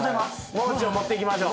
もう中を持っていきましょう。